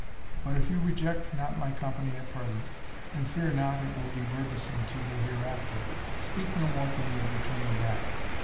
But if you reject not my company at present, and fear not it will be burdensome to you hereafter, speak no more to me of returning back.